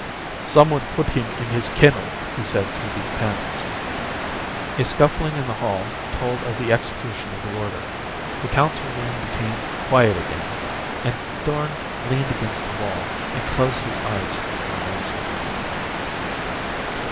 "Someone put him in his kennel," he said through the panels. A scuffling in the hall told of the execution of the order. The council room became quiet again, and Thorn leaned against the wall and closed his eyes for an instant.